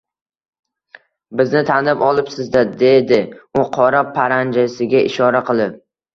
Bizni tanib olibsiz-da, dedi u qora paranjisiga ishora qilib